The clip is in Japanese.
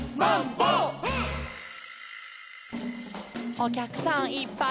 「おきゃくさんいっぱいや」